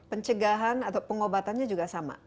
pencegahan atau pengobatannya juga sama